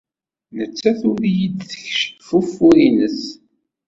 Nettat ur iyi-d-tekcif ufur-nnes.